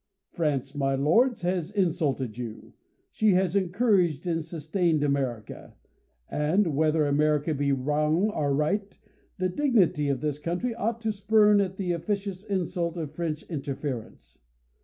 France, my lords, has insulted you ; she has iencour •aged and sustained America ; and whether America be wrong or right, the dignity of this country ought to spurn at the officious insult of French interference.